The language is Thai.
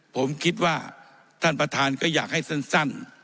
ผมคิดว่าท่านประธานก็อยากให้สั้น